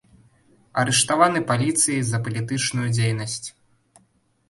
Арыштаваны паліцыяй за палітычную дзейнасць.